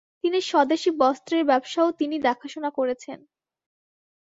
তিনি স্বদেশী বস্ত্রের ব্যবসাও তিনি দেখাশোনা করেছেন ।